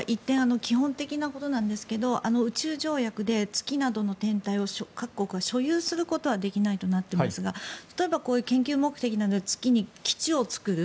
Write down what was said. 基本的なことなんですが宇宙条約で月などの天体を各国が所有することはできないとなっていますが例えば、こういう研究目的などで月に基地を作る。